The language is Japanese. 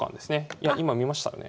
いや今見ましたよね。